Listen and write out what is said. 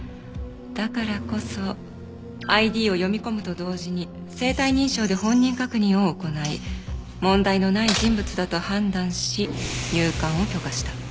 だからこそＩＤを読み込むと同時に生体認証で本人確認を行い問題のない人物だと判断し入館を許可した。